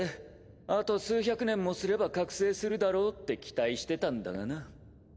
あと数百年もすれば覚醒するだろうって期待してたんだがな。